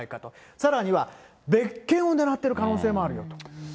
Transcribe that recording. さらには別件をねらってる可能性もあるよと。